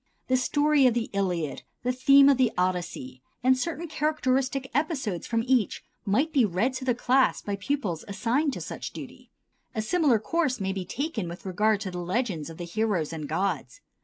The story of the "Iliad," the theme of the "Odyssey," and certain characteristic episodes from each might be read to the class by pupils assigned to such duty. A similar course may be taken with regard to the legends of the heroes and gods.